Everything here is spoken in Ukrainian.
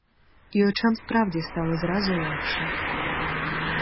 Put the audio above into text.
І очам, справді, стало зразу легше.